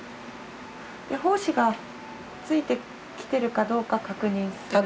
胞子がついてきてるかどうか確認する？